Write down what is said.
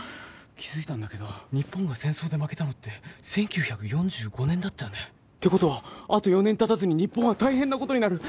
気付いたんだけど日本が戦争で負けたのって１９４５年だったよね。ってことはあと４年たたずに日本は大変なことになる。